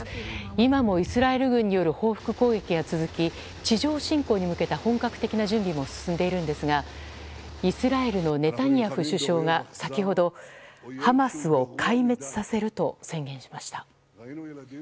今もイスラエル軍による報復攻撃が続き地上侵攻に向けた本格的な準備も進んでいるんですがイスラエルのネタニヤフ首相が先ほど、ハマスを壊滅させると宣言しました。